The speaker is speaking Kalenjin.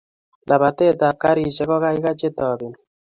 lapatetap karisiek kokaikai chetopeni